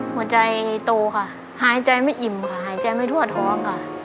หัวใจโตค่ะหายใจไม่อิ่มค่ะหายใจไม่ทั่วท้องค่ะ